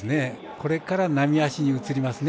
これから常歩に移りますね。